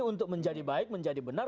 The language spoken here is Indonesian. untuk menjadi baik menjadi benar